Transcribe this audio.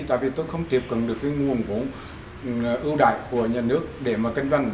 tại vì tôi không tiếp cận được cái nguồn của ưu đại của nhà nước để mà kinh doanh